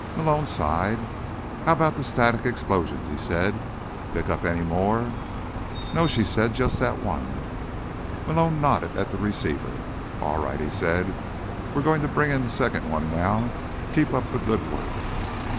Malone sighed. "How about the static explosions?" he said. "Pick up any more?" "No," she said. "Just that one." Malone nodded at the receiver. "All right," he said. "We're going to bring in the second one now. Keep up the good work."